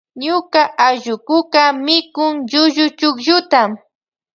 Ñuka allukuka mikun llullu chuklluta.